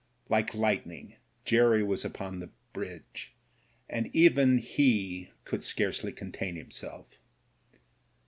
Like lightning Jerry was upon the bridge, and even he could scarcely contain himself.